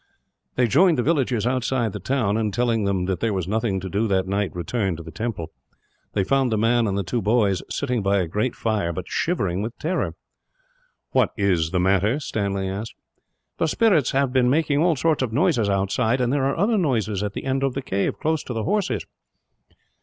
They joined the villagers outside the town and, telling them that there was nothing to do that night, returned to the temple. They found the man and the two boys, sitting by a great fire, but shivering with terror. "What is the matter?" Stanley asked. "The spirits have been making all sorts of noises outside, and there are other noises at the end of the cave, close to the horses."